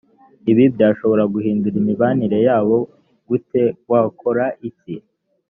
ibi byashobora guhindura imibanire yabo gute wakora iki